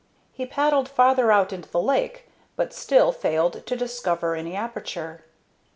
He paddled farther out into the lake, but still failed to discover any aperture.